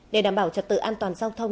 để đảm bảo trật tự an toàn giao thông